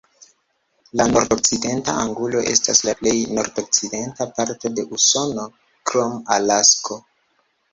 La Nordokcidenta Angulo estas la plej nordokcidenta parto de Usono krom Alasko.